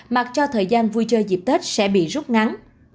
mặc cho thời gian vui chơi dịp tết sẽ bị rút ngắn